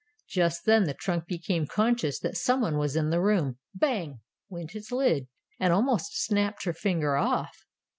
'' Just then the trunk became conscious that someone was in the room. Bang! went its lid, and almost snapped her finger off.